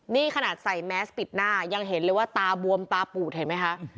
นี่ขนาดใส่แมสปิดหน้ายังเห็นเลยว่าตาบวมตาปูดเห็นไหมคะ